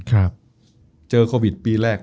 ครับเจอโควิดปีแรก